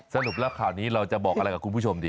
สรุปแล้วข่าวนี้เราจะบอกอะไรกับคุณผู้ชมดี